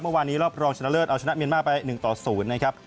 รอบนี้รอบรองชนะเลิศเอาชนะเมียนมาร์ไป๑ต่อ๐นะครับ